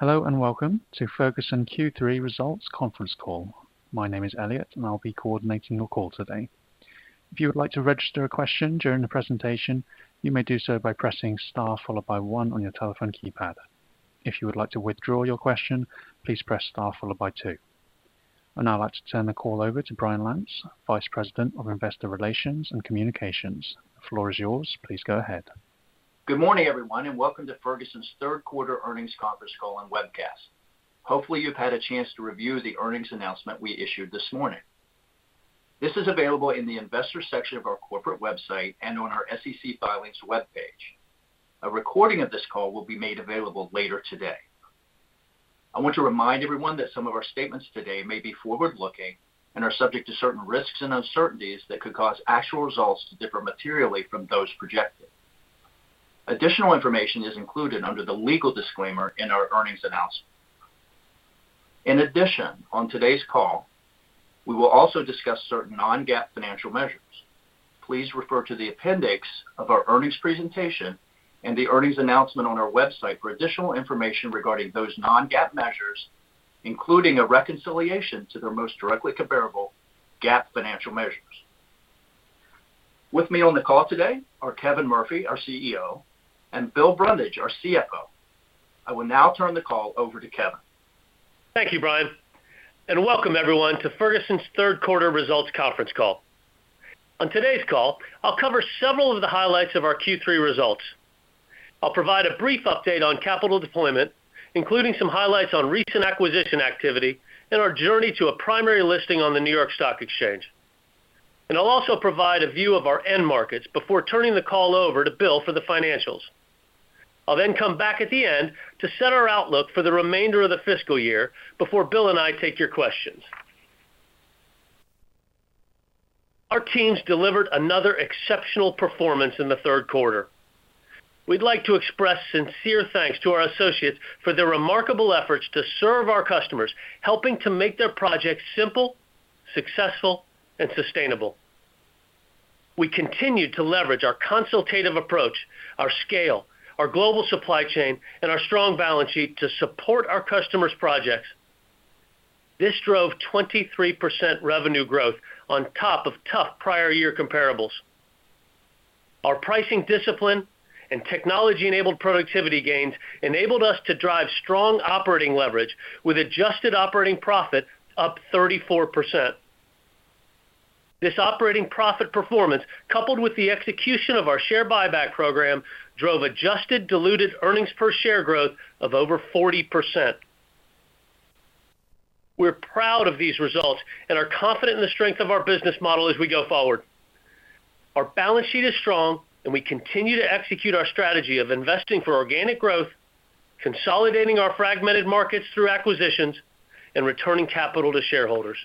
Hello and welcome to Ferguson Q3 Results Conference Call. My name is Elliot, and I'll be coordinating your call today. If you would like to register a question during the presentation, you may do so by pressing Star followed by one on your telephone keypad. If you would like to withdraw your question, please Press Star followed by two. I'd now like to turn the call over to Brian Lantz, Vice President of Investor Relations and Communications. The floor is yours. Please go ahead. Good morning, everyone, and welcome to Ferguson's third quarter earnings conference call and webcast. Hopefully, you've had a chance to review the earnings announcement we issued this morning. This is available in the investor section of our corporate website and on our SEC Filings webpage. A recording of this call will be made available later today. I want to remind everyone that some of our statements today may be forward-looking and are subject to certain risks and uncertainties that could cause actual results to differ materially from those projected. Additional information is included under the legal disclaimer in our earnings announcement. In addition, on today's call, we will also discuss certain non-GAAP financial measures. Please refer to the appendix of our earnings presentation and the earnings announcement on our website for additional information regarding those non-GAAP measures, including a reconciliation to their most directly comparable GAAP financial measures. With me on the call today are Kevin Murphy, our CEO, and Bill Brundage, our CFO. I will now turn the call over to Kevin. Thank you, Brian. Welcome everyone to Ferguson's third quarter results conference call. On today's call, I'll cover several of the highlights of our Q3 results. I'll provide a brief update on capital deployment, including some highlights on recent acquisition activity and our journey to a primary listing on the New York Stock Exchange. I'll also provide a view of our end markets before turning the call over to Bill for the financials. I'll then come back at the end to set our outlook for the remainder of the fiscal year before Bill and I take your questions. Our teams delivered another exceptional performance in the third quarter. We'd like to express sincere thanks to our associates for their remarkable efforts to serve our customers, helping to make their projects simple, successful, and sustainable. We continued to leverage our consultative approach, our scale, our global supply chain, and our strong balance sheet to support our customers' projects. This drove 23% revenue growth on top of tough prior year comparables. Our pricing discipline and technology-enabled productivity gains enabled us to drive strong operating leverage with adjusted operating profit up 34%. This operating profit performance, coupled with the execution of our share buyback program, drove adjusted diluted earnings per share growth of over 40%. We're proud of these results and are confident in the strength of our business model as we go forward. Our balance sheet is strong, and we continue to execute our strategy of investing for organic growth, consolidating our fragmented markets through acquisitions, and returning capital to shareholders.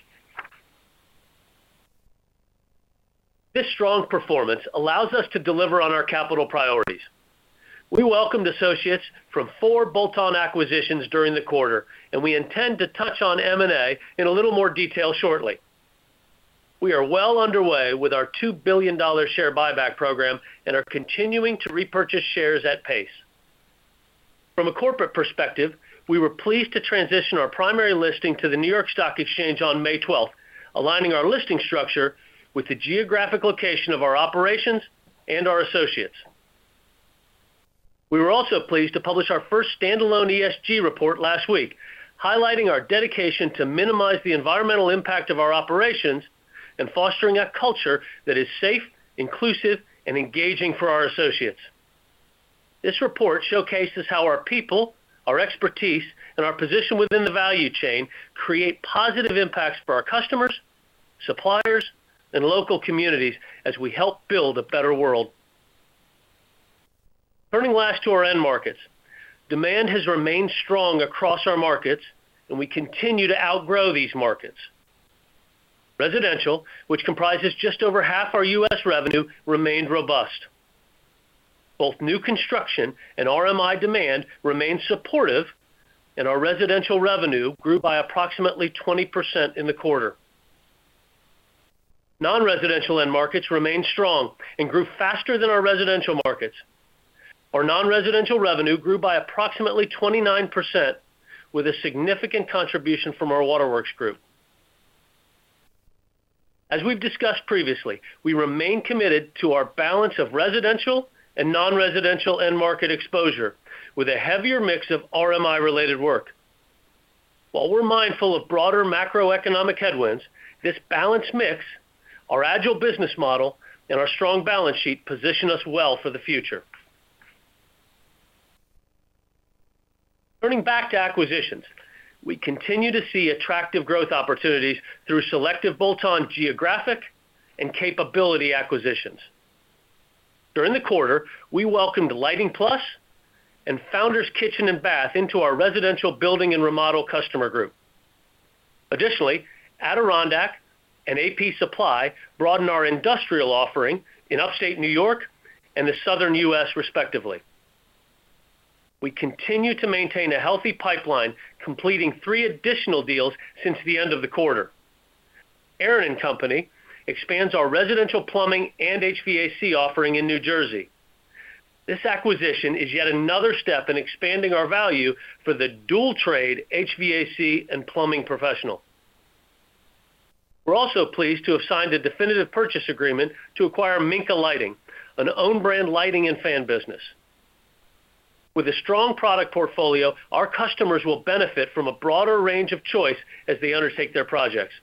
This strong performance allows us to deliver on our capital priorities. We welcomed associates from four bolt-on acquisitions during the quarter, and we intend to touch on M&A in a little more detail shortly. We are well underway with our $2 billion share buyback program and are continuing to repurchase shares at pace. From a corporate perspective, we were pleased to transition our primary listing to the New York Stock Exchange on May twelfth, aligning our listing structure with the geographic location of our operations and our associates. We were also pleased to publish our first standalone ESG report last week, highlighting our dedication to minimize the environmental impact of our operations and fostering a culture that is safe, inclusive, and engaging for our associates. This report showcases how our people, our expertise, and our position within the value chain create positive impacts for our customers, suppliers, and local communities as we help build a better world. Turning last to our end markets, demand has remained strong across our markets, and we continue to outgrow these markets. Residential, which comprises just over half our U.S. revenue, remained robust. Both new construction and RMI demand remained supportive, and our residential revenue grew by approximately 20% in the quarter. Non-residential end markets remained strong and grew faster than our residential markets. Our non-residential revenue grew by approximately 29% with a significant contribution from our Waterworks group. As we've discussed previously, we remain committed to our balance of residential and non-residential end market exposure with a heavier mix of RMI-related work. While we're mindful of broader macroeconomic headwinds, this balanced mix, our agile business model, and our strong balance sheet position us well for the future. Turning back to acquisitions, we continue to see attractive growth opportunities through selective bolt-on geographic and capability acquisitions. During the quarter, we welcomed Lighting Plus and Founders Kitchen & Bath into our residential building and remodel customer group. Additionally, Adirondack and AP Supply broaden our industrial offering in upstate New York and the southern U.S. respectively. We continue to maintain a healthy pipeline, completing three additional deals since the end of the quarter. Aaron & Company expands our residential plumbing and HVAC offering in New Jersey. This acquisition is yet another step in expanding our value for the dual trade HVAC and plumbing professional. We're also pleased to have signed a definitive purchase agreement to acquire Minka Lighting, an own-brand lighting and fan business. With a strong product portfolio, our customers will benefit from a broader range of choice as they undertake their projects.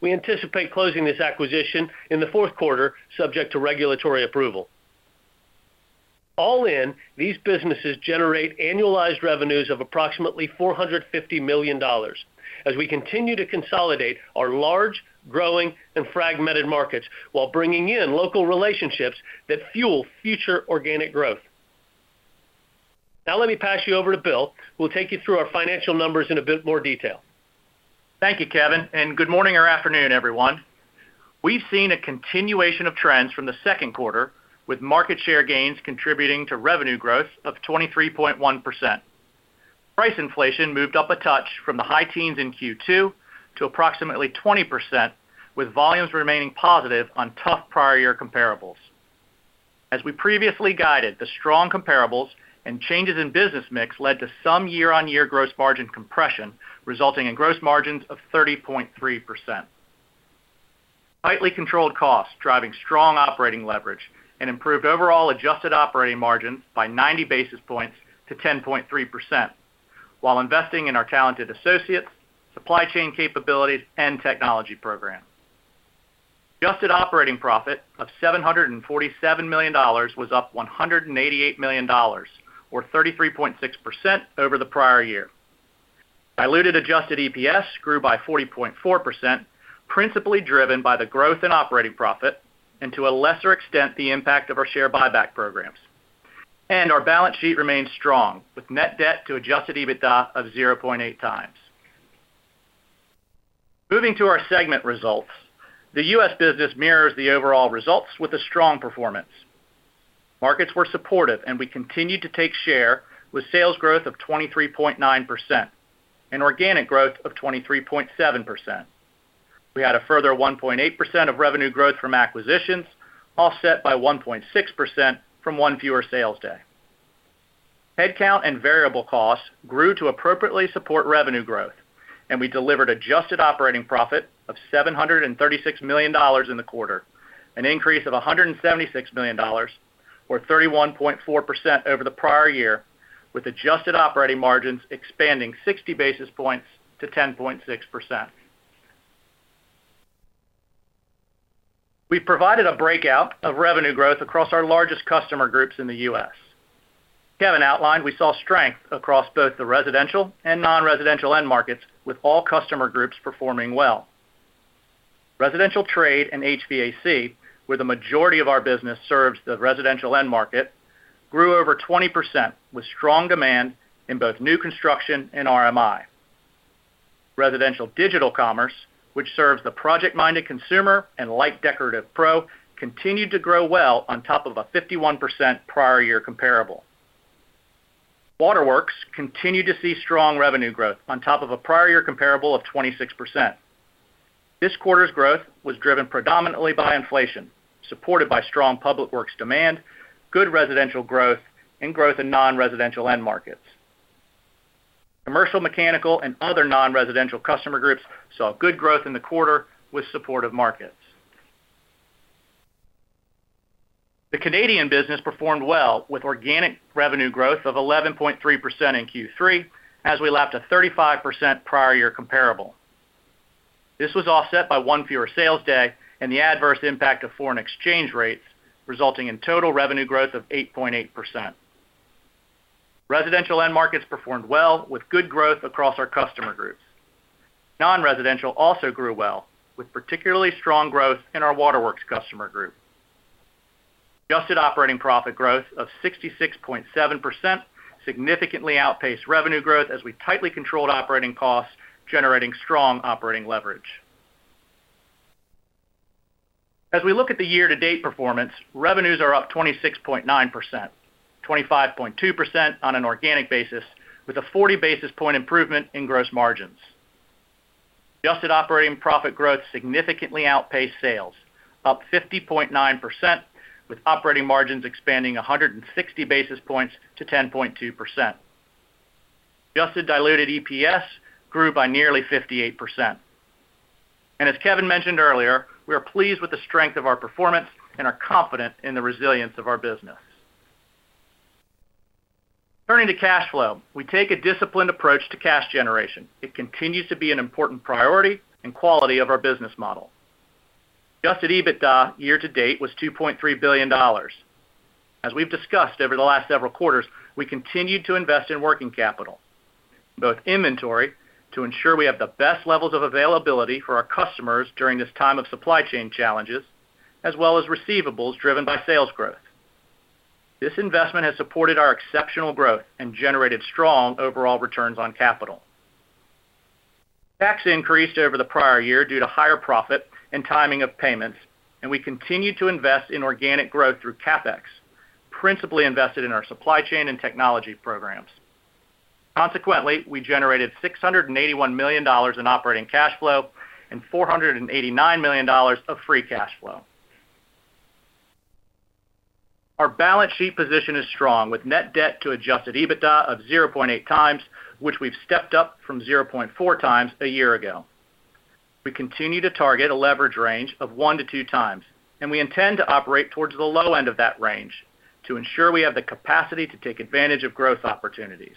We anticipate closing this acquisition in the fourth quarter, subject to regulatory approval. All in, these businesses generate annualized revenues of approximately $450 million as we continue to consolidate our large, growing, and fragmented markets while bringing in local relationships that fuel future organic growth. Now let me pass you over to Bill, who will take you through our financial numbers in a bit more detail. Thank you, Kevin, and good morning or afternoon, everyone. We've seen a continuation of trends from the second quarter, with market share gains contributing to revenue growth of 23.1%. Price inflation moved up a touch from the high teens in Q2 to approximately 20%, with volumes remaining positive on tough prior year comparables. As we previously guided, the strong comparables and changes in business mix led to some year-on-year gross margin compression, resulting in gross margins of 30.3%. Tightly controlled costs driving strong operating leverage and improved overall adjusted operating margins by 90 basis points to 10.3% while investing in our talented associates, supply chain capabilities, and technology programs. Adjusted operating profit of $747 million was up $188 million or 33.6% over the prior year. Diluted adjusted EPS grew by 40.4%, principally driven by the growth in operating profit and to a lesser extent, the impact of our share buyback programs. Our balance sheet remains strong, with net debt to adjusted EBITDA of 0.8 times. Moving to our segment results, the U.S. business mirrors the overall results with a strong performance. Markets were supportive, and we continued to take share with sales growth of 23.9% and organic growth of 23.7%. We had a further 1.8% of revenue growth from acquisitions, offset by 1.6% from one fewer sales day. Headcount and variable costs grew to appropriately support revenue growth, and we delivered adjusted operating profit of $736 million in the quarter, an increase of $176 million or 31.4% over the prior year, with adjusted operating margins expanding 60 basis points to 10.6%. We provided a breakout of revenue growth across our largest customer groups in the U.S. Kevin outlined we saw strength across both the residential and non-residential end markets, with all customer groups performing well. Residential trade and HVAC, where the majority of our business serves the residential end market, grew over 20%, with strong demand in both new construction and RMI. Residential digital commerce, which serves the project-minded consumer and light decorative pro, continued to grow well on top of a 51% prior year comparable. Waterworks continued to see strong revenue growth on top of a prior year comparable of 26%. This quarter's growth was driven predominantly by inflation, supported by strong public works demand, good residential growth, and growth in non-residential end markets. Commercial, mechanical, and other non-residential customer groups saw good growth in the quarter with supportive markets. The Canadian business performed well with organic revenue growth of 11.3% in Q3 as we lapped a 35% prior year comparable. This was offset by one fewer sales day and the adverse impact of foreign exchange rates, resulting in total revenue growth of 8.8%. Residential end markets performed well with good growth across our customer groups. Non-residential also grew well, with particularly strong growth in our Waterworks customer group. Adjusted operating profit growth of 66.7% significantly outpaced revenue growth as we tightly controlled operating costs, generating strong operating leverage. As we look at the year-to-date performance, revenues are up 26.9%, 25.2% on an organic basis, with a 40 basis points improvement in gross margins. Adjusted operating profit growth significantly outpaced sales, up 50.9%, with operating margins expanding 160 basis points to 10.2%. Adjusted diluted EPS grew by nearly 58%. As Kevin mentioned earlier, we are pleased with the strength of our performance and are confident in the resilience of our business. Turning to cash flow, we take a disciplined approach to cash generation. It continues to be an important priority and quality of our business model. Adjusted EBITDA year to date was $2.3 billion. As we've discussed over the last several quarters, we continued to invest in working capital, both inventory to ensure we have the best levels of availability for our customers during this time of supply chain challenges, as well as receivables driven by sales growth. This investment has supported our exceptional growth and generated strong overall returns on capital. Tax increased over the prior year due to higher profit and timing of payments, and we continued to invest in organic growth through CapEx, principally invested in our supply chain and technology programs. Consequently, we generated $681 million in operating cash flow and $489 million of free cash flow. Our balance sheet position is strong, with net debt to adjusted EBITDA of 0.8x, which we've stepped up from 0.4x a year ago. We continue to target a leverage range of 1-2x, and we intend to operate towards the low end of that range to ensure we have the capacity to take advantage of growth opportunities.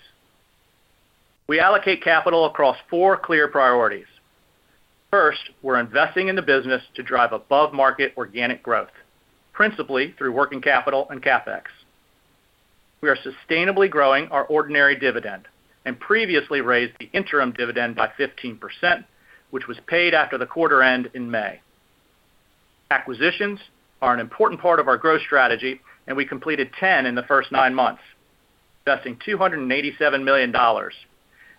We allocate capital across four clear priorities. First, we're investing in the business to drive above-market organic growth, principally through working capital and CapEx. We are sustainably growing our ordinary dividend and previously raised the interim dividend by 15%, which was paid after the quarter end in May. Acquisitions are an important part of our growth strategy, and we completed 10 in the first 9 months, investing $287 million.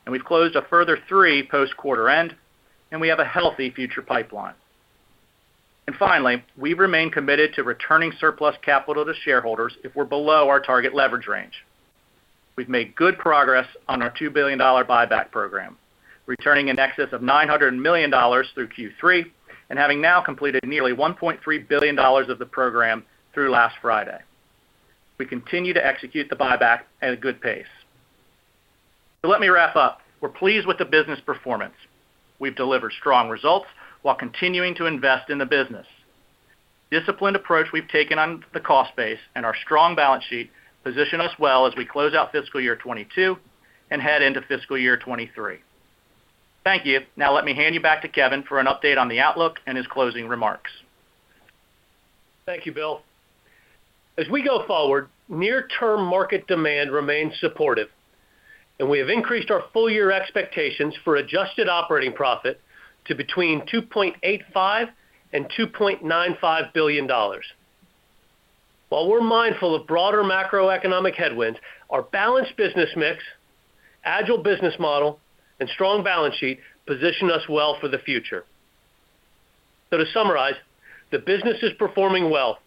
We've closed a further 3 post-quarter end, and we have a healthy future pipeline. Finally, we remain committed to returning surplus capital to shareholders if we're below our target leverage range. We've made good progress on our $2 billion buyback program, returning in excess of $900 million through Q3 and having now completed nearly $1.3 billion of the program through last Friday. We continue to execute the buyback at a good pace. Let me wrap up. We're pleased with the business performance. We've delivered strong results while continuing to invest in the business. Disciplined approach we've taken on the cost base and our strong balance sheet position us well as we close out fiscal year 2022 and head into fiscal year 2023. Thank you. Now let me hand you back to Kevin for an update on the outlook and his closing remarks. Thank you, Bill. As we go forward, near-term market demand remains supportive, and we have increased our full-year expectations for adjusted operating profit to between $2.85 billion and $2.95 billion. While we're mindful of broader macroeconomic headwinds, our balanced business mix, agile business model, and strong balance sheet position us well for the future. To summarize, the business is performing well.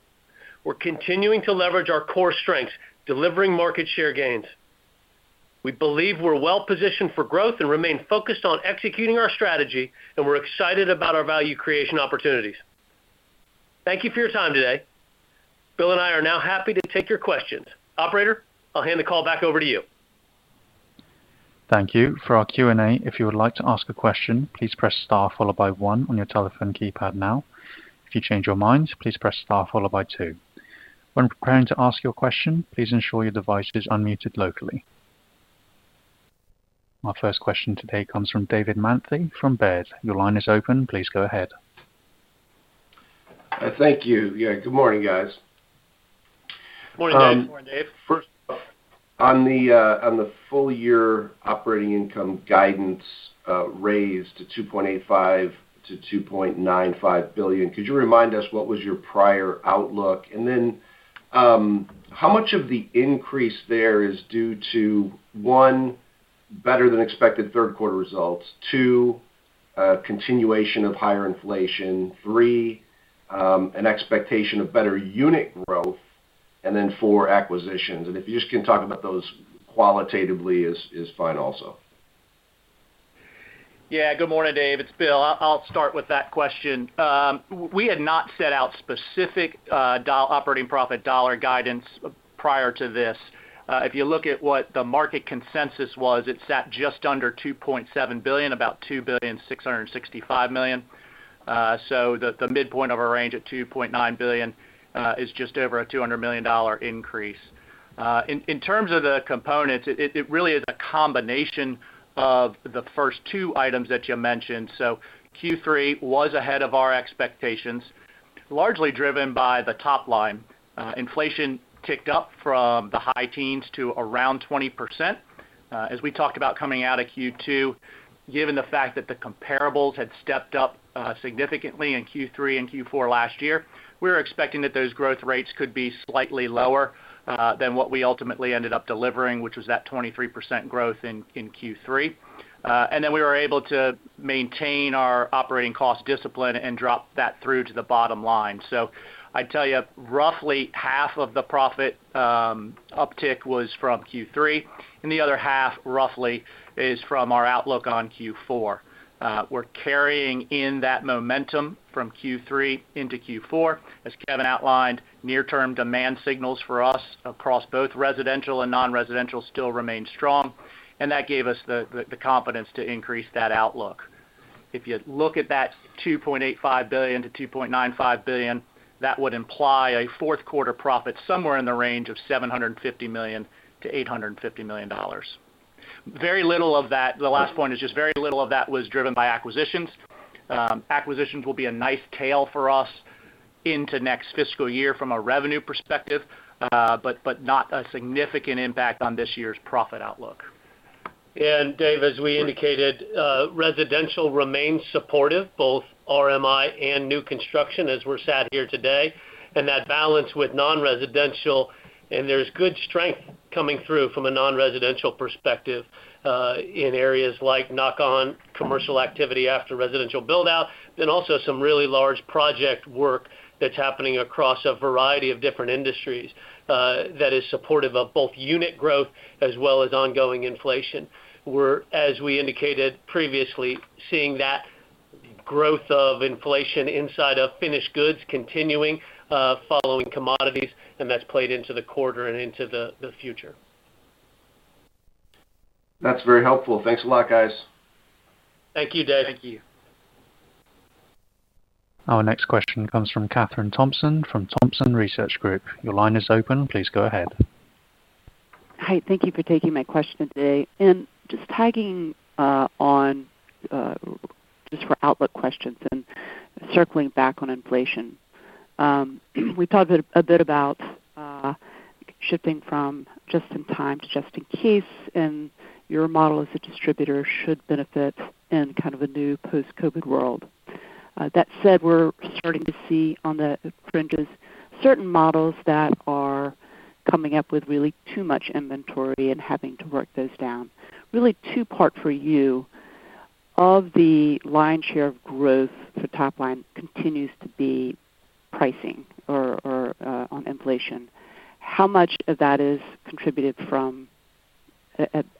We're continuing to leverage our core strengths, delivering market share gains. We believe we're well-positioned for growth and remain focused on executing our strategy, and we're excited about our value creation opportunities. Thank you for your time today. Bill and I are now happy to take your questions. Operator, I'll hand the call back over to you. Thank you. For our Q&A, if you would like to ask a question, please press star followed by one on your telephone keypad now. If you change your mind, please press star followed by two. When preparing to ask your question, please ensure your device is unmuted locally. Our first question today comes from David Manthey from Baird. Your line is open. Please go ahead. Thank you. Yeah, good morning, guys. Morning, David. Morning, Dave. First, on the full year operating income guidance, raise to $2.85 billion-$2.95 billion, could you remind us what was your prior outlook? Then, how much of the increase there is due to, one, better than expected third quarter results, two, continuation of higher inflation, three, an expectation of better unit growth, and then four, acquisitions. If you just can talk about those qualitatively is fine also. Yeah. Good morning, Dave. It's Bill. I'll start with that question. We had not set out specific operating profit dollar guidance prior to this. If you look at what the market consensus was, it sat just under $2.7 billion, about $2.665 billion. The midpoint of our range at $2.9 billion is just over a $200 million increase. In terms of the components, it really is a combination of the first two items that you mentioned. Q3 was ahead of our expectations, largely driven by the top line. Inflation ticked up from the high teens to around 20%. As we talked about coming out of Q2, given the fact that the comparables had stepped up significantly in Q3 and Q4 last year, we were expecting that those growth rates could be slightly lower than what we ultimately ended up delivering, which was that 23% growth in Q3. We were able to maintain our operating cost discipline and drop that through to the bottom line. I'd tell you, roughly half of the profit uptick was from Q3, and the other half roughly is from our outlook on Q4. We're carrying in that momentum from Q3 into Q4. As Kevin outlined, near-term demand signals for us across both residential and non-residential still remain strong, and that gave us the confidence to increase that outlook. If you look at that $2.85 billion-$2.95 billion, that would imply a fourth quarter profit somewhere in the range of $750 million-$850 million. Very little of that, the last point is just very little of that was driven by acquisitions. Acquisitions will be a nice tail for us into next fiscal year from a revenue perspective, but not a significant impact on this year's profit outlook. David, as we indicated, residential remains supportive, both RMI and new construction as we're sat here today. That balance with non-residential, and there's good strength coming through from a non-residential perspective, in areas like knock-on commercial activity after residential build-out, then also some really large project work that's happening across a variety of different industries, that is supportive of both unit growth as well as ongoing inflation. We're, as we indicated previously, seeing that growth of inflation inside of finished goods continuing, following commodities, and that's played into the quarter and into the future. That's very helpful. Thanks a lot, guys. Thank you, David. Thank you. Our next question comes from Kathryn Thompson from Thompson Research Group. Your line is open. Please go ahead. Hi. Thank you for taking my question today. Just tagging on just for outlook questions and circling back on inflation. We talked a bit about shifting from just in time to just in case, and your model as a distributor should benefit in kind of a new post-COVID world. That said, we're starting to see on the fringes certain models that are coming up with really too much inventory and having to work those down. Really two part for you. Of the lion's share of growth for top line continues to be pricing or on inflation. How much of that is contributed from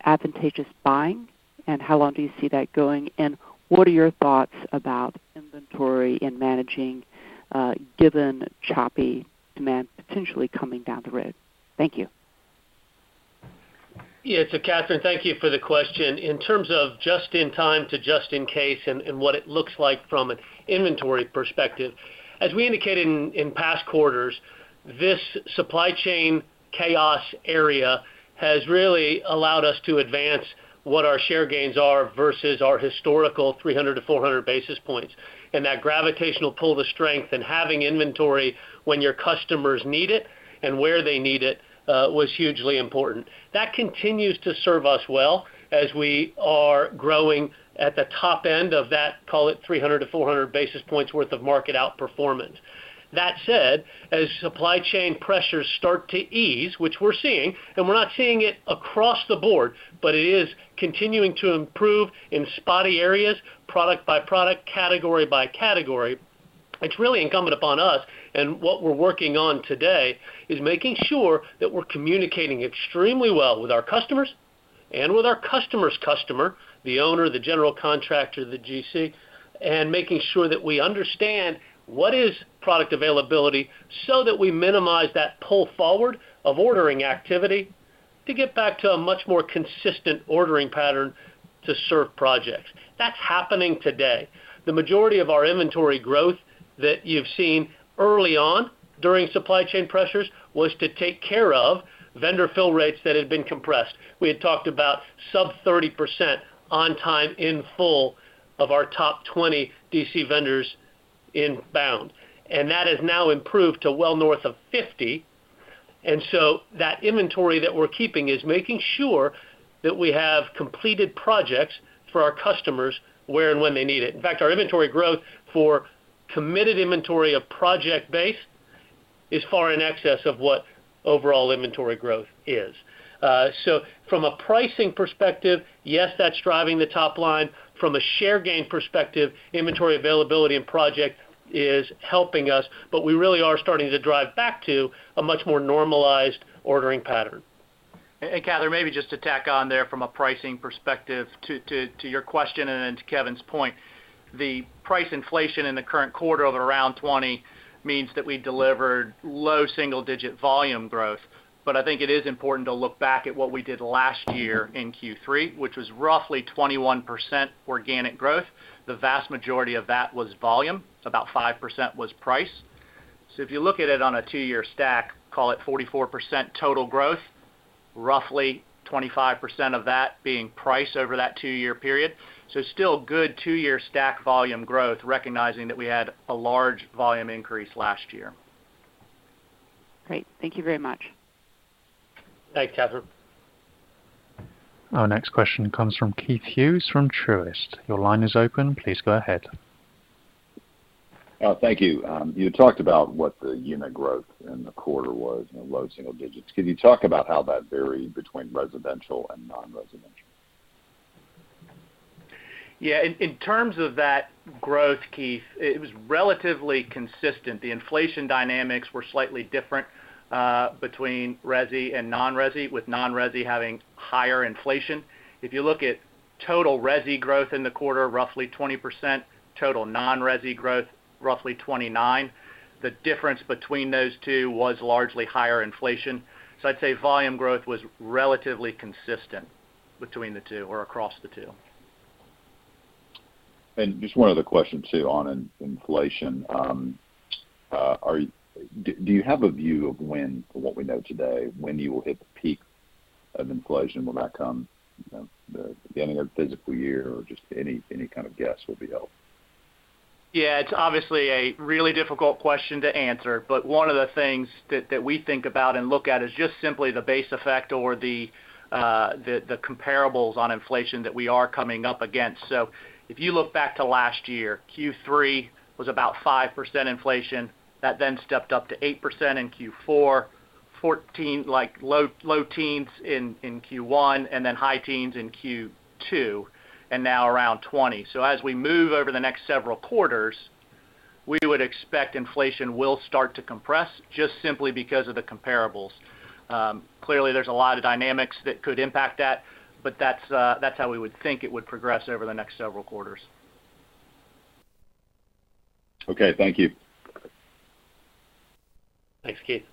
advantageous buying, and how long do you see that going? What are your thoughts about inventory and managing given choppy demand potentially coming down the road? Thank you. Yeah. Kathryn, thank you for the question. In terms of just in time to just in case and what it looks like from an inventory perspective, as we indicated in past quarters, this supply chain chaos area has really allowed us to advance what our share gains are versus our historical 300-400 basis points. That gravitational pull to strength and having inventory when your customers need it and where they need it was hugely important. That continues to serve us well as we are growing at the top end of that, call it 300-400 basis points worth of market outperformance. That said, as supply chain pressures start to ease, which we're seeing, and we're not seeing it across the board, but it is continuing to improve in spotty areas, product by product, category by category. It's really incumbent upon us, and what we're working on today is making sure that we're communicating extremely well with our customers and with our customer's customer, the owner, the general contractor, the GC, and making sure that we understand what is product availability so that we minimize that pull forward of ordering activity to get back to a much more consistent ordering pattern to serve projects. That's happening today. The majority of our inventory growth that you've seen early on during supply chain pressures was to take care of vendor fill rates that had been compressed. We had talked about sub 30% on time in full of our top 20 DC vendors inbound. That has now improved to well north of 50, and so that inventory that we're keeping is making sure that we have completed projects for our customers where and when they need it. In fact, our inventory growth for committed inventory of project-based is far in excess of what overall inventory growth is. From a pricing perspective, yes, that's driving the top line. From a share gain perspective, inventory availability in projects is helping us, but we really are starting to drive back to a much more normalized ordering pattern. Kathryn, maybe just to tack on there from a pricing perspective to your question and then to Kevin's point. The price inflation in the current quarter of around 20% means that we delivered low single digit volume growth. I think it is important to look back at what we did last year in Q3, which was roughly 21% organic growth. The vast majority of that was volume. About 5% was price. If you look at it on a two-year stack, call it 44% total growth, roughly 25% of that being price over that two-year period. Still good two-year stack volume growth, recognizing that we had a large volume increase last year. Great. Thank you very much. Thanks, Kathryn. Our next question comes from Keith Hughes from Truist. Your line is open. Please go ahead. Thank you. You talked about what the unit growth in the quarter was in the low single digits. Can you talk about how that varied between residential and non-residential? Yeah. In terms of that growth, Keith, it was relatively consistent. The inflation dynamics were slightly different between resi and non-resi, with non-resi having higher inflation. If you look at total resi growth in the quarter, roughly 20%, total non-resi growth, roughly 29%. The difference between those two was largely higher inflation. I'd say volume growth was relatively consistent between the two or across the two. Just one other question too on inflation. Do you have a view of when, what we know today, when you will hit the peak of inflation? Will that come, you know, the beginning of the fiscal year or just any kind of guess will be helpful. Yeah, it's obviously a really difficult question to answer, but one of the things that we think about and look at is just simply the base effect or the comparables on inflation that we are coming up against. If you look back to last year, Q3 was about 5% inflation. That then stepped up to 8% in Q4, 14, like low teens in Q1, and then high teens in Q2, and now around 20. As we move over the next several quarters We would expect inflation will start to compress just simply because of the comparables. Clearly, there's a lot of dynamics that could impact that, but that's how we would think it would progress over the next several quarters. Okay. Thank you. Thanks, Keith.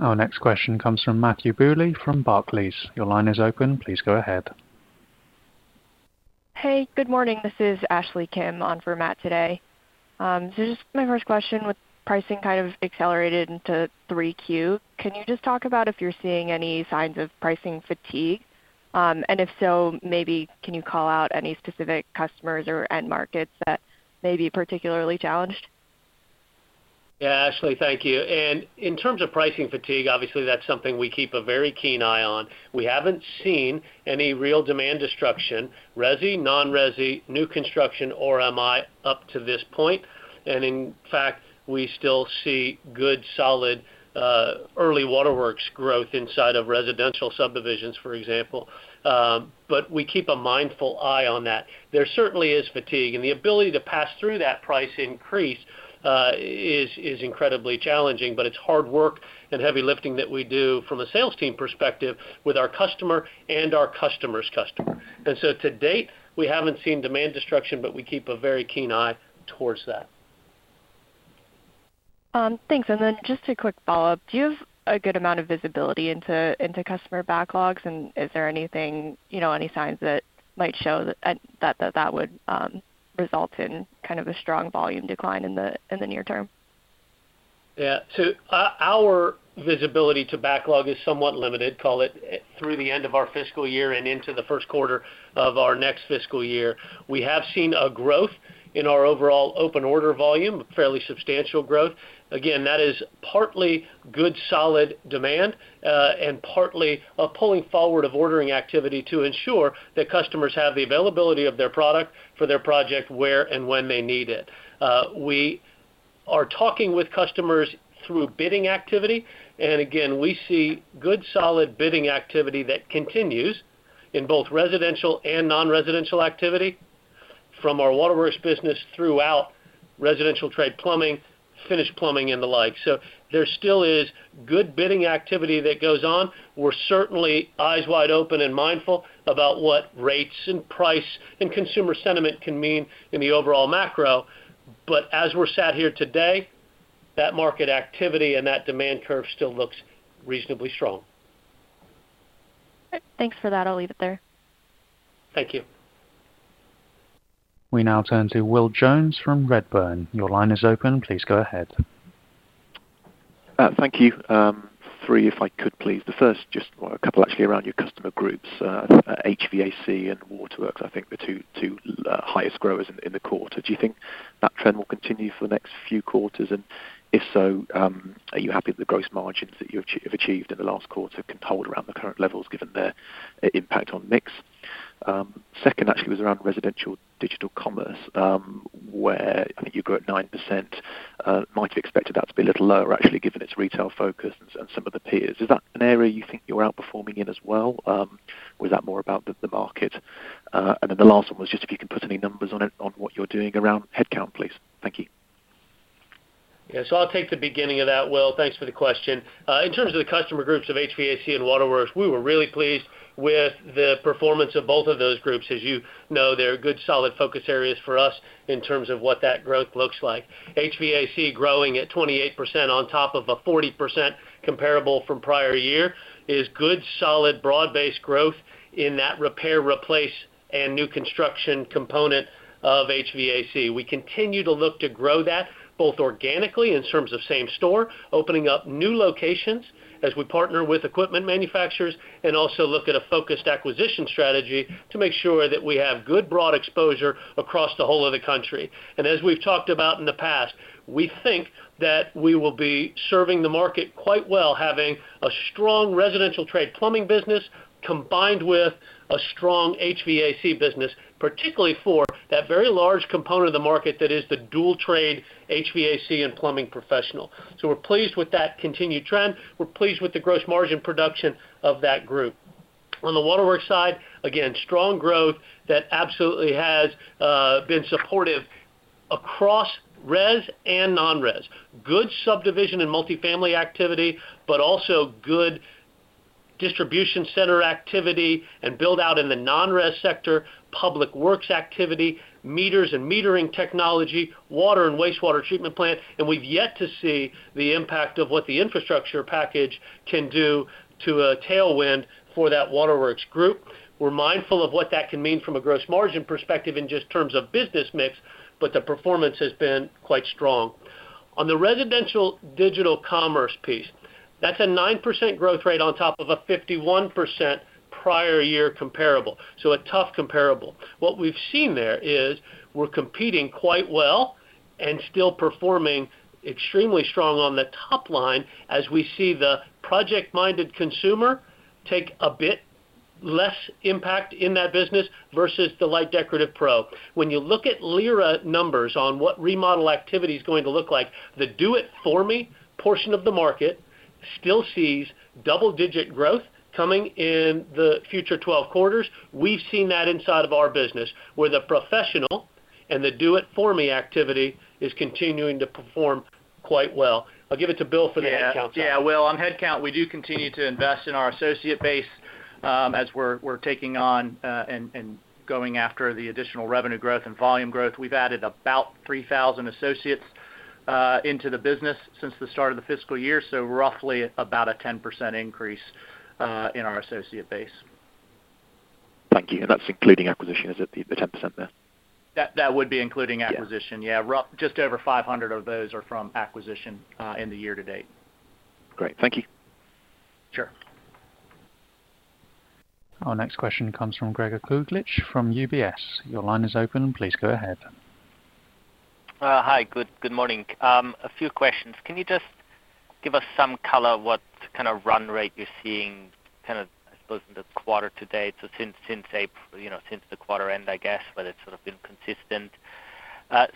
Our next question comes from Matthew Bouley from Barclays. Your line is open. Please go ahead. Hey, good morning. This is Ashley Kim on for Matt today. Just my first question, with pricing kind of accelerated into 3Q, can you just talk about if you're seeing any signs of pricing fatigue? If so, maybe can you call out any specific customers or end markets that may be particularly challenged? Yeah. Ashley, thank you. In terms of pricing fatigue, obviously that's something we keep a very keen eye on. We haven't seen any real demand destruction, resi, non-resi, new construction or MI up to this point. In fact, we still see good solid early Waterworks growth inside of residential subdivisions, for example. We keep a mindful eye on that. There certainly is fatigue, and the ability to pass through that price increase is incredibly challenging. It's hard work and heavy lifting that we do from a sales team perspective with our customer and our customer's customer. To date, we haven't seen demand destruction, but we keep a very keen eye towards that. Thanks. Just a quick follow-up. Do you have a good amount of visibility into customer backlogs? Is there anything, you know, any signs that might show that that would result in kind of a strong volume decline in the near term? Yeah. Our visibility to backlog is somewhat limited, call it through the end of our fiscal year and into the first quarter of our next fiscal year. We have seen a growth in our overall open order volume, fairly substantial growth. Again, that is partly good, solid demand, and partly a pulling forward of ordering activity to ensure that customers have the availability of their product for their project where and when they need it. We are talking with customers through bidding activity, and again, we see good solid bidding activity that continues in both residential and non-residential activity from our Waterworks business throughout residential trade plumbing, finished plumbing and the like. There still is good bidding activity that goes on. We're certainly eyes wide open and mindful about what rates and price and consumer sentiment can mean in the overall macro. As we're sat here today, that market activity and that demand curve still looks reasonably strong. Thanks for that. I'll leave it there. Thank you. We now turn to Will Jones from Redburn. Your line is open. Please go ahead. Thank you. Three if I could please. The first just a couple actually around your customer groups, HVAC and Waterworks, I think the two highest growers in the quarter. Do you think that trend will continue for the next few quarters? If so, are you happy with the gross margins that you've achieved in the last quarter can hold around the current levels given their impact on mix? Second actually was around residential digital commerce, where I think you grew at 9%. Might have expected that to be a little lower actually given its retail focus and some of the peers. Is that an area you think you're outperforming in as well? Is that more about the market? The last one was just if you could put any numbers on it on what you're doing around headcount, please. Thank you. Yeah. I'll take the beginning of that, Will. Thanks for the question. In terms of the customer groups of HVAC and Waterworks, we were really pleased with the performance of both of those groups. As you know, they're good, solid focus areas for us in terms of what that growth looks like. HVAC growing at 28% on top of a 40% comparable from prior year is good, solid, broad-based growth in that repair, replace, and new construction component of HVAC. We continue to look to grow that both organically in terms of same store, opening up new locations as we partner with equipment manufacturers and also look at a focused acquisition strategy to make sure that we have good broad exposure across the whole of the country. As we've talked about in the past, we think that we will be serving the market quite well, having a strong residential trade plumbing business combined with a strong HVAC business, particularly for that very large component of the market that is the dual trade HVAC and plumbing professional. We're pleased with that continued trend. We're pleased with the gross margin production of that group. On the Waterworks side, again, strong growth that absolutely has been supportive across res and non-res. Good subdivision and multifamily activity, but also good distribution center activity and build out in the non-res sector, public works activity, meters and metering technology, water and wastewater treatment plant. We've yet to see the impact of what the infrastructure package can do to a tailwind for that Waterworks group. We're mindful of what that can mean from a gross margin perspective in just terms of business mix, but the performance has been quite strong. On the residential digital commerce piece, that's a 9% growth rate on top of a 51% prior year comparable. A tough comparable. What we've seen there is we're competing quite well and still performing extremely strong on the top line as we see the project-minded consumer take a bit less impact in that business versus the light decorative pro. When you look at LIRA numbers on what remodel activity is going to look like, the do it for me portion of the market still sees double-digit growth coming in the future 12 quarters. We've seen that inside of our business, where the professional and the do-it-for-me activity is continuing to perform quite well. I'll give it to Bill for the headcount side. Yeah. Yeah. Well, on headcount, we do continue to invest in our associate base, as we're taking on and going after the additional revenue growth and volume growth. We've added about 3,000 associates into the business since the start of the fiscal year. Roughly about a 10% increase in our associate base. Thank you. That's including acquisition, is it, the 10% there? That would be including acquisition. Yeah. Yeah. Just over 500 of those are from acquisition in the year to date. Great. Thank you. Sure. Our next question comes from Gregor Kuglitsch from UBS. Your line is open. Please go ahead. Hi. Good morning. A few questions. Can you just give us some color what kind of run rate you're seeing kind of, I suppose, in the quarter to date? Since you know, since the quarter end, I guess, whether it's sort of been consistent.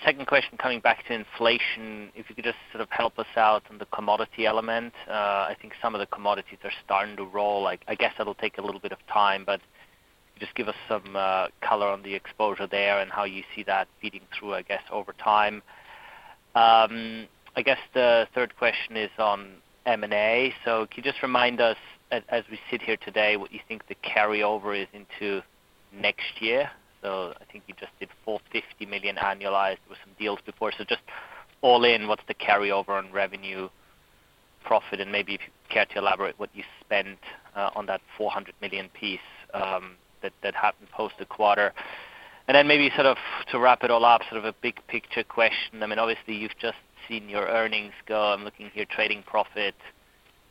Second question, coming back to inflation, if you could just sort of help us out on the commodity element. I think some of the commodities are starting to roll. Like, I guess it'll take a little bit of time, but just give us some color on the exposure there and how you see that feeding through, I guess, over time. I guess the third question is on M&A. Can you just remind us, as we sit here today, what you think the carryover is into next year? I think you just did $450 million annualized with some deals before. Just all in, what's the carryover on revenue profit? And maybe if you care to elaborate what you spent on that $400 million piece, that happened post the quarter. And then maybe sort of to wrap it all up, sort of a big picture question. I mean, obviously, you've just seen your earnings go. I'm looking at your trading profit.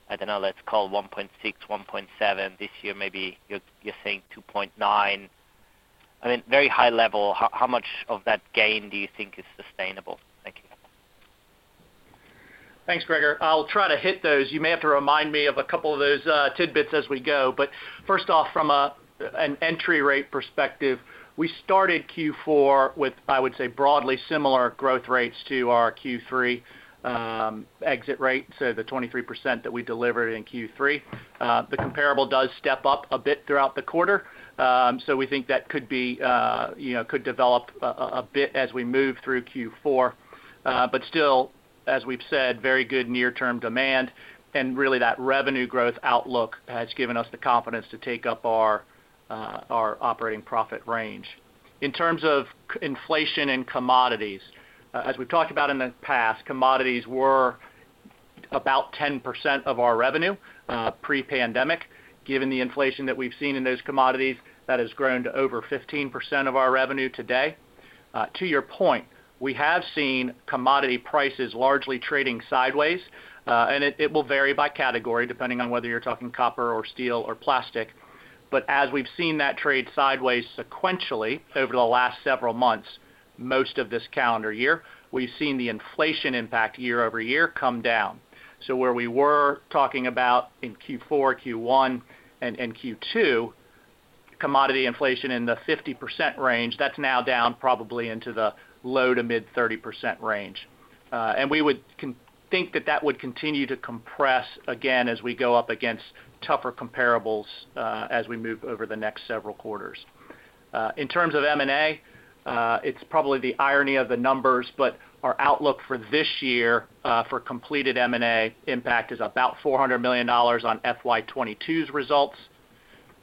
I don't know, let's call $1.6-$1.7. This year, maybe you're saying $2.9. I mean, very high level, how much of that gain do you think is sustainable? Thank you. Thanks, Gregor. I'll try to hit those. You may have to remind me of a couple of those tidbits as we go. First off, from an entry rate perspective, we started Q4 with, I would say, broadly similar growth rates to our Q3 exit rate, so the 23% that we delivered in Q3. The comparable does step up a bit throughout the quarter. We think that could be, you know, could develop a bit as we move through Q4. Still, as we've said, very good near-term demand, and really that revenue growth outlook has given us the confidence to take up our operating profit range. In terms of inflation and commodities, as we've talked about in the past, commodities were about 10% of our revenue pre-pandemic. Given the inflation that we've seen in those commodities, that has grown to over 15% of our revenue today. To your point, we have seen commodity prices largely trading sideways, and it will vary by category depending on whether you're talking copper or steel or plastic. As we've seen that trade sideways sequentially over the last several months, most of this calendar year, we've seen the inflation impact year-over-year come down. Where we were talking about in Q4, Q1, and Q2 commodity inflation in the 50% range, that's now down probably into the low-to-mid 30% range. We would think that that would continue to compress again as we go up against tougher comparables, as we move over the next several quarters. In terms of M&A, it's probably the irony of the numbers, but our outlook for this year, for completed M&A impact is about $400 million on FY 2022's results.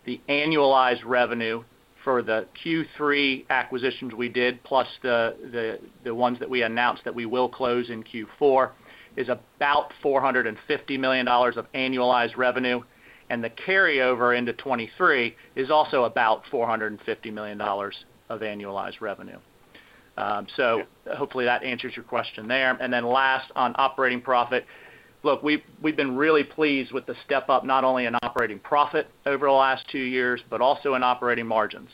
The annualized revenue for the Q3 acquisitions we did, plus the ones that we announced that we will close in Q4, is about $450 million of annualized revenue, and the carryover into 2023 is also about $450 million of annualized revenue. Hopefully that answers your question there. Then last, on operating profit, look, we've been really pleased with the step-up not only in operating profit over the last two years, but also in operating margins.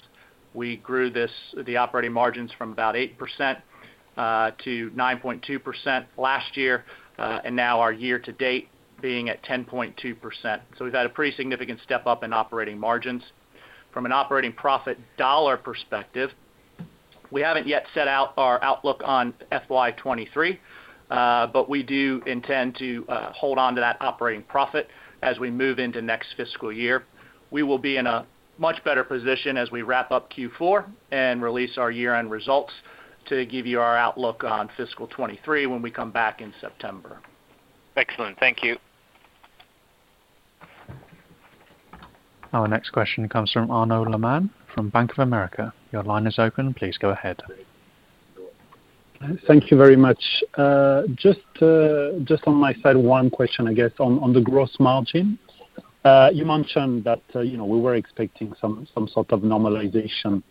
We grew this, the operating margins from about 8% to 9.2% last year, and now our year-to-date being at 10.2%. We've had a pretty significant step up in operating margins. From an operating profit dollar perspective, we haven't yet set out our outlook on FY2023, but we do intend to hold on to that operating profit as we move into next fiscal year. We will be in a much better position as we wrap up Q4 and release our year-end results to give you our outlook on fiscal 2023 when we come back in September. Excellent. Thank you. Our next question comes from Arnaud Lehmann from Bank of America. Your line is open. Please go ahead. Thank you very much. Just on my side, one question, I guess, on the gross margin. You mentioned that, you know, we were expecting some sort of normalization,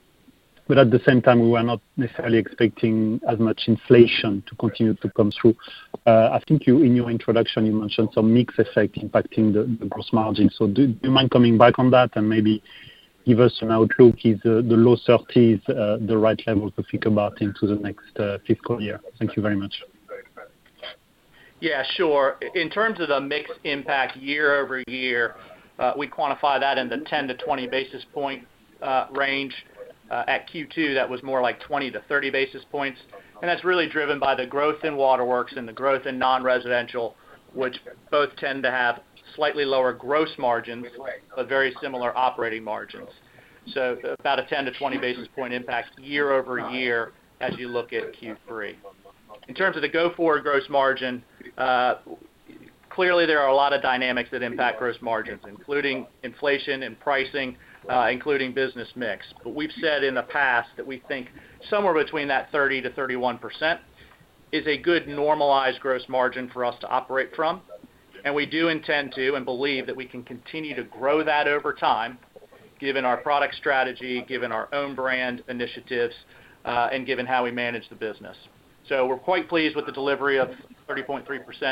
but at the same time, we were not necessarily expecting as much inflation to continue to come through. I think you, in your introduction, you mentioned some mix effect impacting the gross margin. Do you mind coming back on that and maybe give us an outlook? Is the low 30s% the right level to think about into the next fiscal year? Thank you very much. Yeah, sure. In terms of the mix impact year-over-year, we quantify that in the 10-20 basis points range. At Q2, that was more like 20-30 basis points. That's really driven by the growth in Waterworks and the growth in non-residential, which both tend to have slightly lower gross margins, but very similar operating margins. About a 10-20 basis points impact year-over-year as you look at Q3. In terms of the go-forward gross margin, clearly there are a lot of dynamics that impact gross margins, including inflation and pricing, including business mix. But we've said in the past that we think somewhere between 30%-31% is a good normalized gross margin for us to operate from. We do intend to and believe that we can continue to grow that over time, given our product strategy, given our own brand initiatives, and given how we manage the business. We're quite pleased with the delivery of 30.3%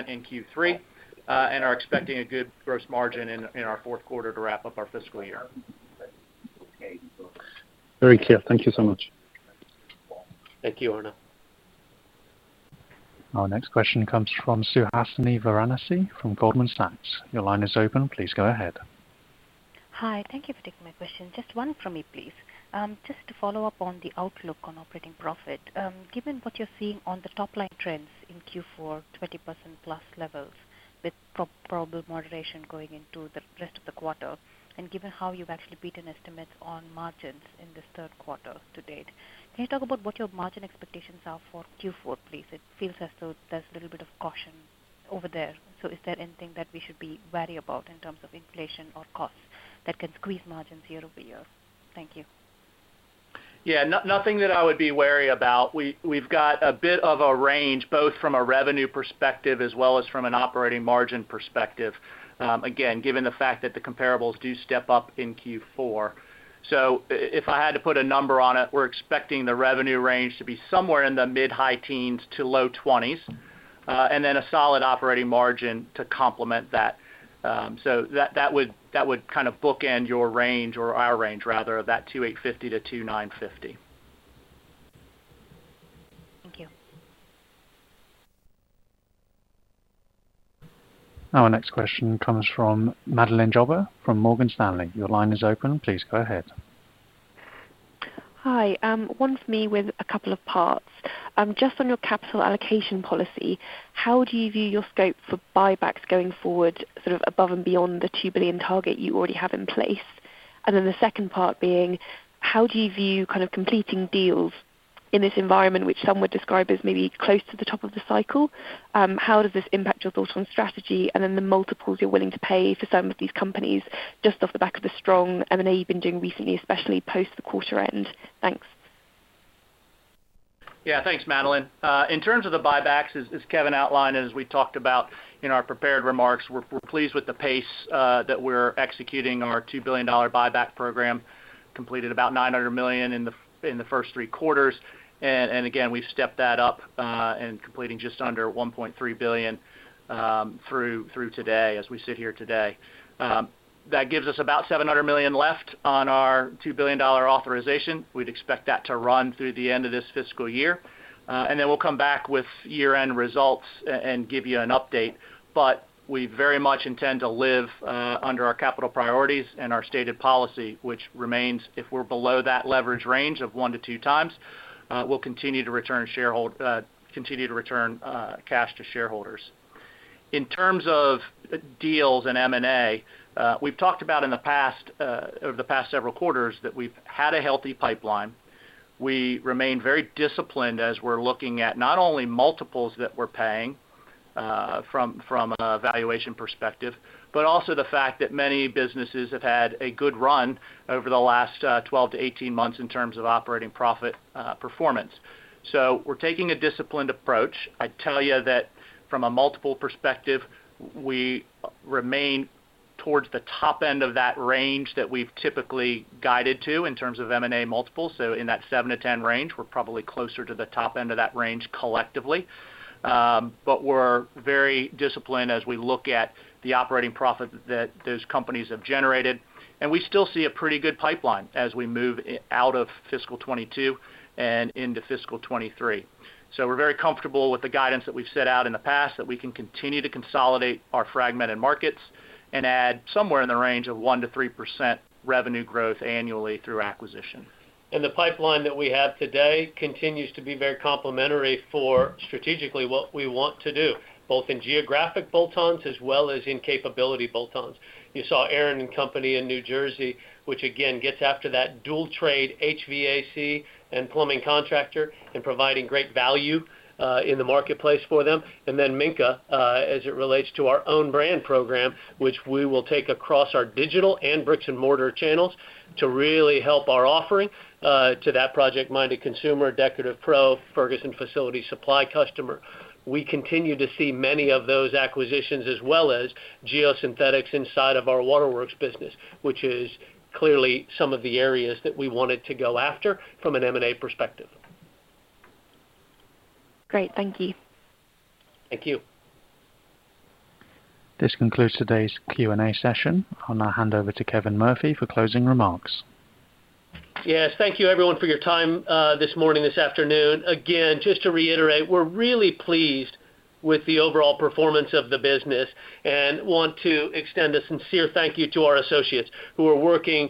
in Q3, and are expecting a good gross margin in our fourth quarter to wrap up our fiscal year. Very clear. Thank you so much. Thank you, Arno. Our next question comes from Suhasini Varanasi from Goldman Sachs. Your line is open. Please go ahead. Hi, thank you for taking my question. Just one from me, please. Just to follow up on the outlook on operating profit, given what you're seeing on the top line trends in Q4, 20%+ levels with probable moderation going into the rest of the quarter, and given how you've actually beaten estimates on margins in this third quarter to date, can you talk about what your margin expectations are for Q4, please? It feels as though there's a little bit of caution over there. Is there anything that we should be wary about in terms of inflation or costs that can squeeze margins year over year? Thank you. Yeah, nothing that I would be wary about. We've got a bit of a range, both from a revenue perspective as well as from an operating margin perspective, again, given the fact that the comparables do step up in Q4. If I had to put a number on it, we're expecting the revenue range to be somewhere in the mid- to high teens to low 20s%, and then a solid operating margin to complement that. That would kind of bookend your range or our range rather of that $285 million-$295 million. Thank you. Our next question comes from Madeleine Jobber from Morgan Stanley. Your line is open. Please go ahead. Hi. One for me with a couple of parts. Just on your capital allocation policy, how do you view your scope for buybacks going forward, sort of above and beyond the $2 billion target you already have in place? The second part being, how do you view kind of completing deals in this environment which some would describe as maybe close to the top of the cycle? How does this impact your thoughts on strategy and then the multiples you're willing to pay for some of these companies just off the back of the strong M&A you've been doing recently, especially post the quarter end? Thanks. Yeah, thanks, Madeleine. In terms of the buybacks, as Kevin outlined, as we talked about in our prepared remarks, we're pleased with the pace that we're executing on our $2 billion buyback program, completed about $900 million in the first three quarters. Again, we've stepped that up, and completing just under $1.3 billion through today as we sit here today. That gives us about $700 million left on our $2 billion authorization. We'd expect that to run through the end of this fiscal year, and then we'll come back with year-end results and give you an update. We very much intend to live under our capital priorities and our stated policy, which remains if we're below that leverage range of 1-2x, we'll continue to return cash to shareholders. In terms of deals and M&A, we've talked about in the past, over the past several quarters that we've had a healthy pipeline. We remain very disciplined as we're looking at not only multiples that we're paying from a valuation perspective, but also the fact that many businesses have had a good run over the last 12-18 months in terms of operating profit performance. We're taking a disciplined approach. I tell you that from a multiple perspective, we remain towards the top end of that range that we've typically guided to in terms of M&A multiples. In that 7-10 range, we're probably closer to the top end of that range collectively. We're very disciplined as we look at the operating profit that those companies have generated. We still see a pretty good pipeline as we move out of fiscal 2022 and into fiscal 2023. We're very comfortable with the guidance that we've set out in the past, that we can continue to consolidate our fragmented markets and add somewhere in the range of 1%-3% revenue growth annually through acquisition. The pipeline that we have today continues to be very complementary for strategically what we want to do, both in geographic bolt-ons as well as in capability bolt-ons. You saw Aaron & Company in New Jersey, which again gets after that dual trade HVAC and plumbing contractor and providing great value in the marketplace for them. Minka, as it relates to our own brand program, which we will take across our digital and bricks and mortar channels to really help our offering to that project-minded consumer, decorative pro, Ferguson Facilities Supply customer. We continue to see many of those acquisitions as well as geosynthetics inside of our Waterworks business, which is clearly some of the areas that we wanted to go after from an M&A perspective. Great. Thank you. Thank you. This concludes today's Q&A session. I'll now hand over to Kevin Murphy for closing remarks. Yes. Thank you everyone for your time, this morning, this afternoon. Again, just to reiterate, we're really pleased with the overall performance of the business and want to extend a sincere thank you to our associates who are working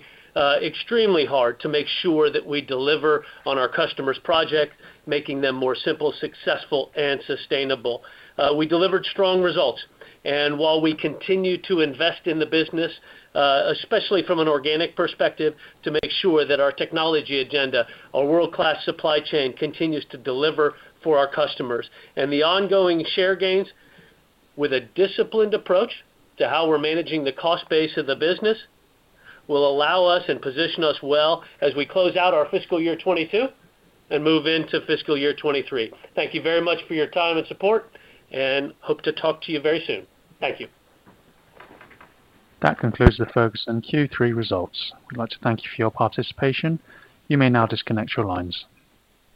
extremely hard to make sure that we deliver on our customers' project, making them more simple, successful and sustainable. We delivered strong results, and while we continue to invest in the business, especially from an organic perspective, to make sure that our technology agenda, our world-class supply chain continues to deliver for our customers. The ongoing share gains with a disciplined approach to how we're managing the cost base of the business will allow us and position us well as we close out our fiscal year 2022 and move into fiscal year 2023. Thank you very much for your time and support and hope to talk to you very soon. Thank you. That concludes the Ferguson Q3 results. We'd like to thank you for your participation. You may now disconnect your lines.